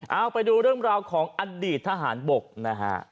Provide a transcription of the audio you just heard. เอาไปดูเรื่องราวของอดีตทหารบกนะฮะ